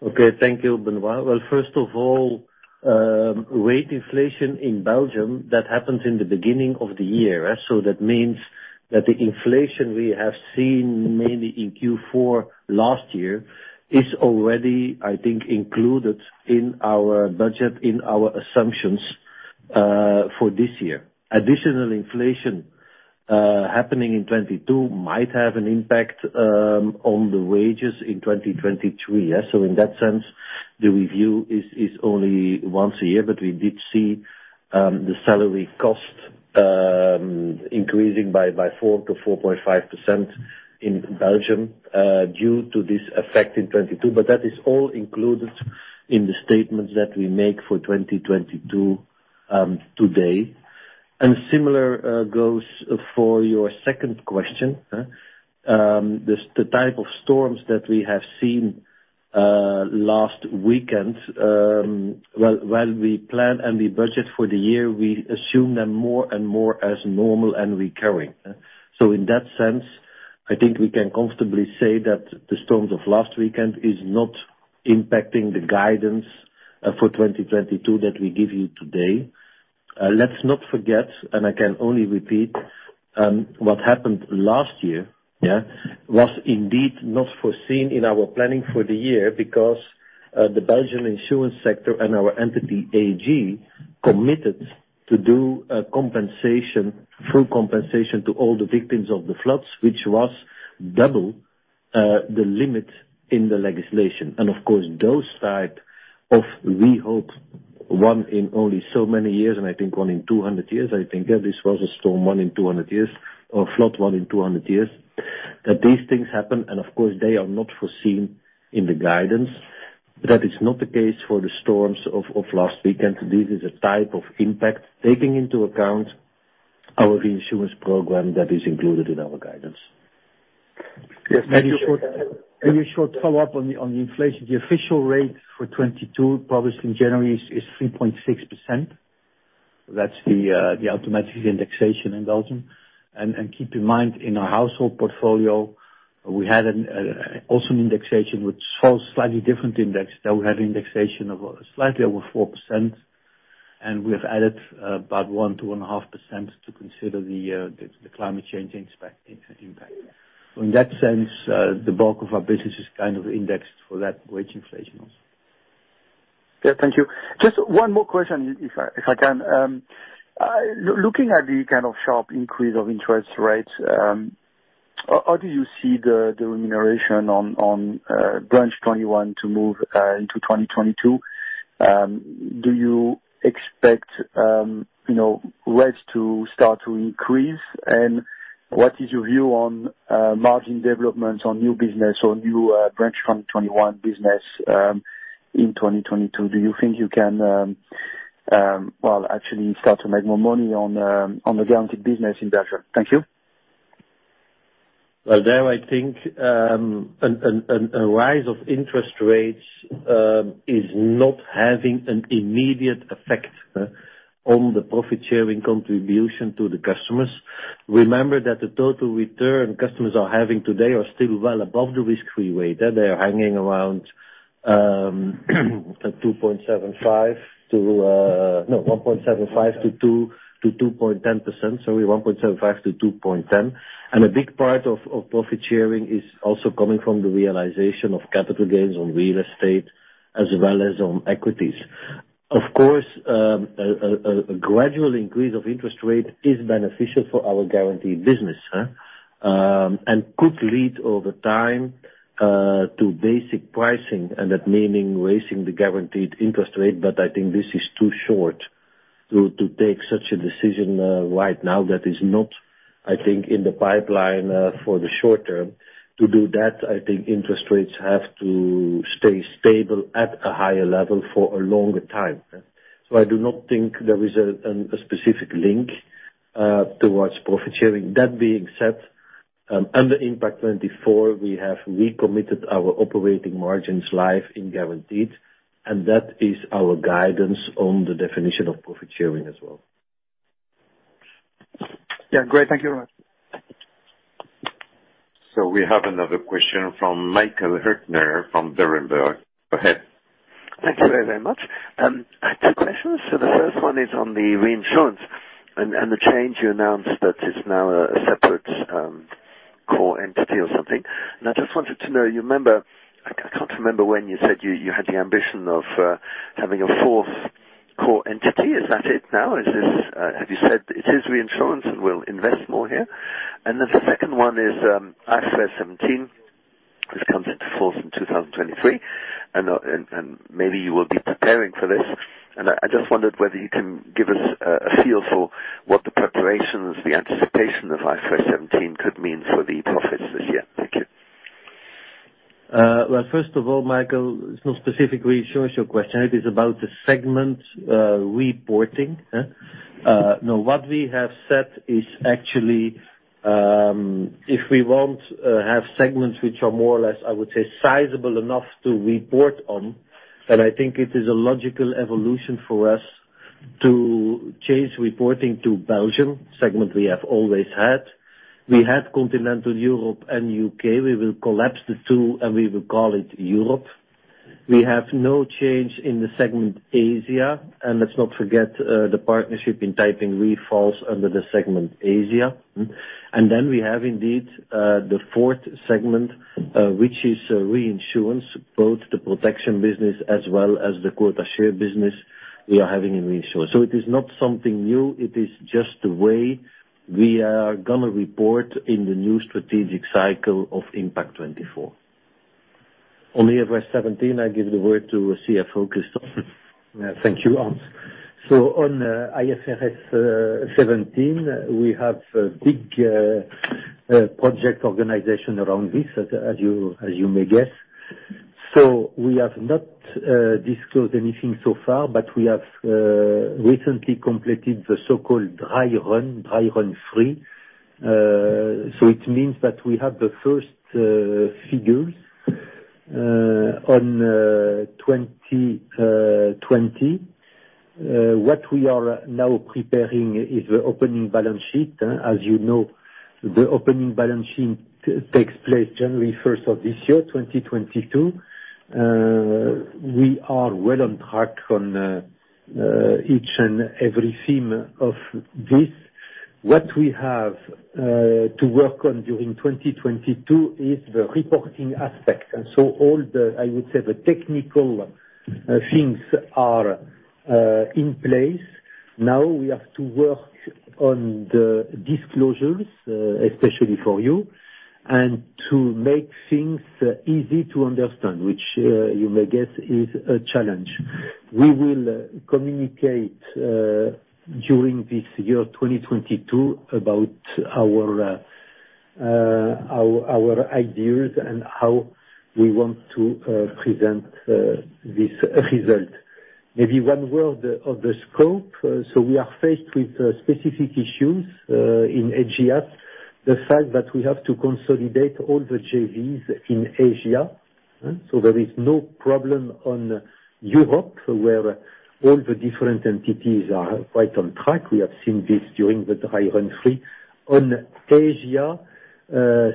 Okay. Thank you, Benoit. Well, first of all, wage inflation in Belgium, that happens in the beginning of the year. That means that the inflation we have seen mainly in Q4 last year is already, I think, included in our budget, in our assumptions, for this year. Additional inflation happening in 2022 might have an impact on the wages in 2023. In that sense, the review is only once a year. We did see the salary cost increasing by 4%-4.5% in Belgium due to this effect in 2022. That is all included in the statements that we make for 2022 today. Similar goes for your second question. The type of storms that we have seen last weekend, well, when we plan and we budget for the year, we assume them more and more as normal and recurring. In that sense, I think we can comfortably say that the storms of last weekend is not impacting the guidance for 2022 that we give you today. Let's not forget, and I can only repeat, what happened last year, yeah, was indeed not foreseen in our planning for the year because the Belgian insurance sector and our entity AG committed to do a compensation, full compensation to all the victims of the floods, which was double the limit in the legislation. Of course, those type of, we hope, one in only so many years, and I think one in 200 years, I think, yeah, this was a storm one in 200 years, or flood one in 200 years. That these things happen, and of course, they are not foreseen in the guidance. That is not the case for the storms of last weekend. This is a type of impact taking into account our reinsurance program that is included in our guidance. Yes, thank you. Maybe a short follow-up on the inflation. The official rate for 2022, published in January, is 3.6%. That's the automatic indexation in Belgium. Keep in mind, in our household portfolio, we had also an indexation which follows a slightly different index, that we have indexation of slightly over 4%. We have added about 1-1.5% to consider the climate change impact. In that sense, the bulk of our business is kind of indexed for that wage inflation also. Yeah, thank you. Just one more question if I can. Looking at the kind of sharp increase of interest rates, how do you see the remuneration on Branch 21 to move into 2022? Do you expect, you know, rates to start to increase? What is your view on margin developments on new business or new Branch 21 business in 2022? Do you think you can, well, actually start to make more money on the guaranteed business in Belgium? Thank you. Well, I think a rise of interest rates is not having an immediate effect on the profit-sharing contribution to the customers. Remember that the total return customers are having today are still well above the risk-free rate. They are hanging around 1.75%-2.10%. Sorry, 1.75%-2.10%. A big part of profit sharing is also coming from the realization of capital gains on real estate as well as on equities. Of course, a gradual increase of interest rate is beneficial for our guaranteed business and could lead over time to basic pricing, and that meaning raising the guaranteed interest rate. I think this is too short to take such a decision right now. That is not, I think, in the pipeline for the short term. To do that, I think interest rates have to stay stable at a higher level for a longer time. I do not think there is a specific link towards profit sharing. That being said, under Impact24 we have recommitted our operating margins in life and guaranteed, and that is our guidance on the definition of profit sharing as well. Yeah, great. Thank you very much. We have another question from Michael Huttner from Berenberg. Go ahead. Thank you very, very much. I have two questions. The first one is on the reinsurance and the change you announced that it's now a separate core entity or something. I just wanted to know, you remember, I can't remember when you said you had the ambition of having a fourth core entity. Is that it now? Is this, have you said it is reinsurance and we'll invest more here? The second one is IFRS 17, which comes into force in 2023, and maybe you will be preparing for this. I just wondered whether you can give us a feel for what the preparations, the anticipation of IFRS 17 could mean for the profits this year. Thank you. Well, first of all, Michael Huttner, it's not specific to reinsurance, your question; it is about the segment reporting. Now, what we have said is actually, if we want have segments which are more or less, I would say, sizable enough to report on, then I think it is a logical evolution for us to change reporting to Belgium segment we have always had. We have Continental Europe and U.K., we will collapse the two and we will call it Europe. We have no change in the segment Asia. Let's not forget, the partnership in Taiping Re falls under the segment Asia. We have indeed, the fourth segment, which is reinsurance, both the protection business as well as the quota share business we are having in reinsurance. It is not something new. It is just the way we are gonna report in the new strategic cycle of Impact24. On IFRS 17, I give the word to CFO Christophe Vandeweghe. Yeah, thank you, Hans. On IFRS 17, we have a big project organization around this as you may guess. We have not disclosed anything so far, but we have recently completed the so-called dry run three. It means that we have the first figures on 2020. What we are now preparing is the opening balance sheet. As you know, the opening balance sheet takes place January first of this year, 2022. We are well on track on each and every theme of this. What we have to work on during 2022 is the reporting aspect. All the, I would say, the technical things are in place. Now we have to work on the disclosures, especially for you, and to make things easy to understand, which, you may guess is a challenge. We will communicate during this year, 2022, about our ideas and how we want to present this result. Maybe one word of the scope. We are faced with specific issues in Asia. The fact that we have to consolidate all the JVs in Asia. There is no problem in Europe, where all the different entities are quite on track. We have seen this during the dry run 3. On Asia,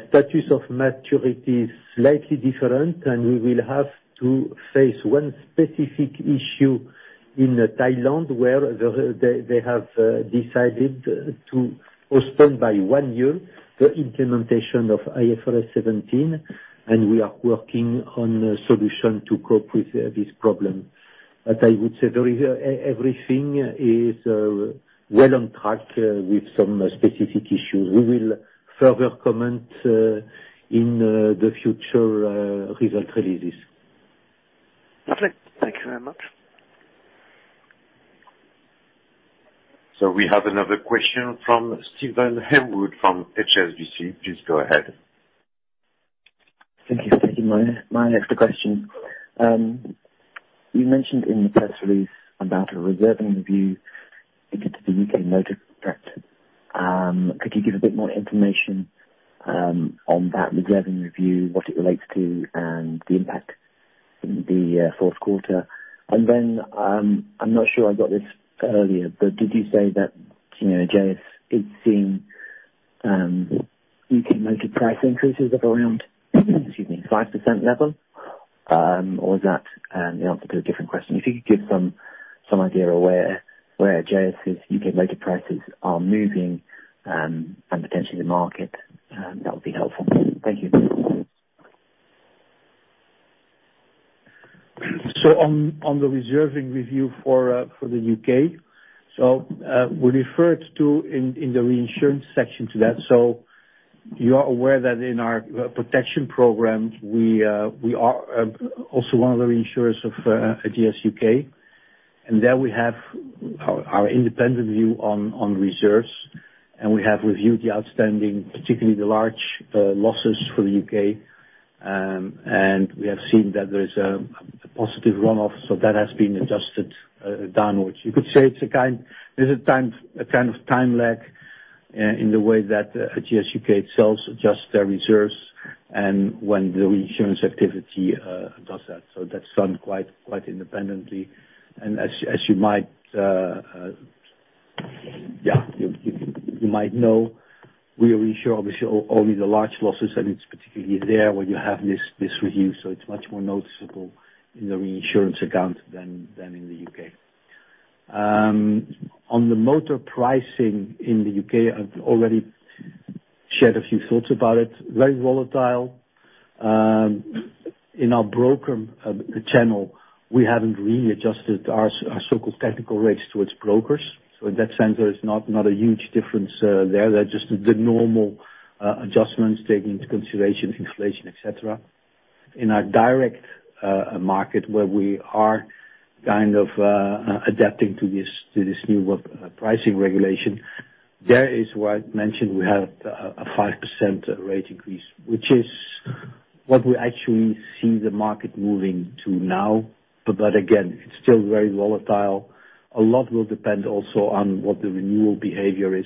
status of maturity is slightly different, and we will have to face one specific issue in Thailand, where they have decided to postpone by 1 year the implementation of IFRS 17, and we are working on a solution to cope with this problem. I would say very everything is well on track with some specific issues. We will further comment in the future result releases. Okay. Thank you very much. We have another question from Steven Haywood from HSBC. Please go ahead. Thank you for taking my next question. You mentioned in the press release about a reserving review related to the U.K. motor practice. Could you give a bit more information on that reserving review, what it relates to and the impact in the fourth quarter? I'm not sure I got this earlier, but did you say that, you know, Ageas is seeing U.K. motor price increases of around, excuse me, 5% level? Or is that the answer to a different question? If you could give some idea of where Ageas' U.K. motor prices are moving and potentially the market, that would be helpful. Thank you. On the reserving review for the U.K. We referred to it in the reinsurance section. You are aware that in our protection program, we are also one of the insurers of Ageas U.K. There we have our independent view on reserves, and we have reviewed the outstanding, particularly the large losses for the U.K. We have seen that there is a positive runoff, so that has been adjusted downwards. You could say it's a kind of time lag in the way that Ageas U.K. Itself adjust their reserves and when the reinsurance activity does that. That's done quite independently. As you might know, we insure obviously only the large losses, and it's particularly there where you have this review, so it's much more noticeable in the reinsurance account than in the U.K. On the motor pricing in the U.K., I've already shared a few thoughts about it, very volatile. In our broker channel, we haven't really adjusted our so-called technical rates towards brokers. In that sense, there is not a huge difference there. They're just the normal adjustments taking into consideration inflation, et cetera. In our direct market where we are kind of adapting to this new pricing regulation, there is where I mentioned we have a 5% rate increase, which is what we actually see the market moving to now. That, again, it's still very volatile. A lot will depend also on what the renewal behavior is,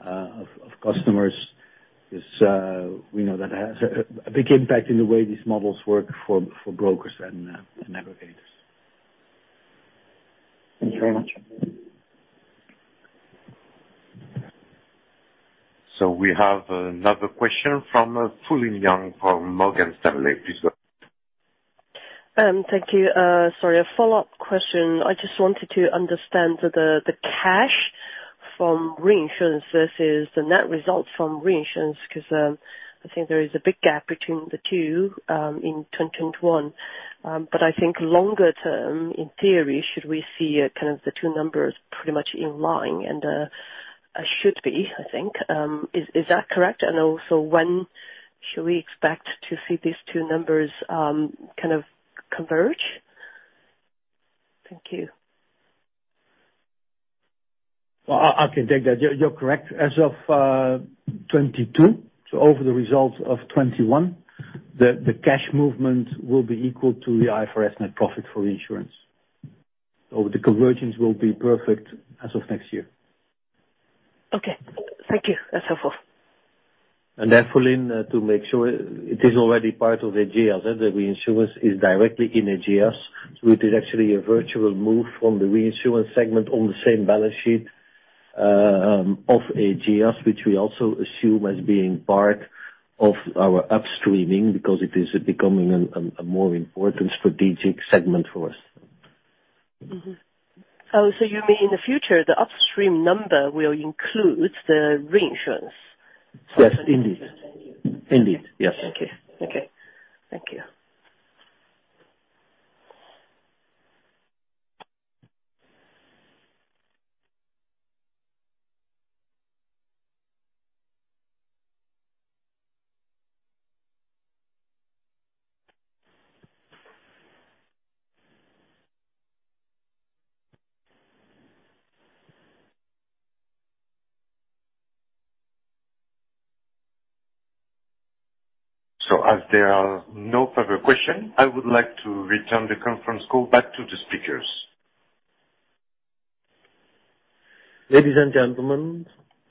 of customers. This, we know that has a big impact in the way these models work for brokers and aggregators. Thank you very much. We have another question from Fulin Yang from Morgan Stanley. Please go ahead. Thank you. Sorry, a follow-up question. I just wanted to understand the cash from reinsurance versus the net results from reinsurance, 'cause I think there is a big gap between the two in 2021. I think longer term, in theory, should we see kind of the two numbers pretty much in line and should be, I think. Is that correct? And also when should we expect to see these two numbers kind of converge? Thank you. Well, I can take that. You're correct. As of 2022, over the results of 2021, the cash movement will be equal to the IFRS net profit for insurance. The convergence will be perfect as of next year. Okay. Thank you. That's helpful. Fulin, to make sure, it is already part of Ageas. The reinsurance is directly in Ageas, which is actually a virtual move from the reinsurance segment on the same balance sheet of Ageas, which we also assume as being part of our upstreaming because it is becoming a more important strategic segment for us. Oh, so you mean in the future, the upstream number will include the reinsurance? Yes. Indeed. Thank you. Indeed. Yes. Okay. Okay. Thank you. As there are no further question, I would like to return the conference call back to the speakers. Ladies and gentlemen,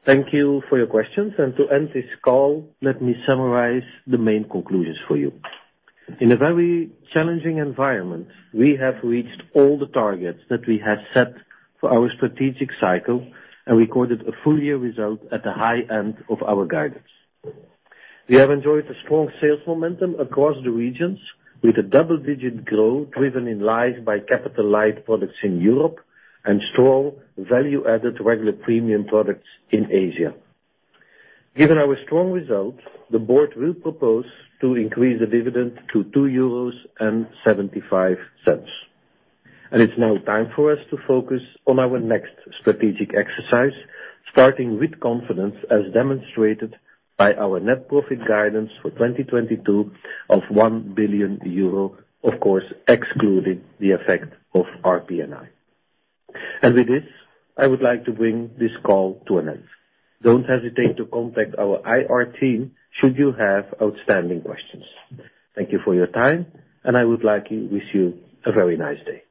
thank you for your questions. To end this call, let me summarize the main conclusions for you. In a very challenging environment, we have reached all the targets that we have set for our strategic cycle and recorded a full-year result at the high end of our guidance. We have enjoyed a strong sales momentum across the regions with a double-digit growth driven in line by capital light products in Europe and strong value-added regular premium products in Asia. Given our strong results, the board will propose to increase the dividend to 2.75 euros. It's now time for us to focus on our next strategic exercise, starting with confidence, as demonstrated by our net profit guidance for 2022 of 1 billion euro, of course, excluding the effect of RPN(I). With this, I would like to bring this call to an end. Don't hesitate to contact our IR team should you have outstanding questions. Thank you for your time, and I wish you a very nice day.